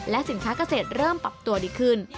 สินค้าเกษตรเริ่มปรับตัวดีขึ้น